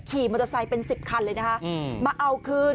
กลุ่มหนึ่งก็คือ